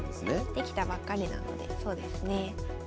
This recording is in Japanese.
できたばっかりなのでそうですね。